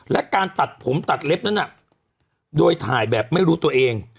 และการตัดผมตัดเล็บนั้นน่ะโดยถ่ายแบบไม่รู้ตัวเอง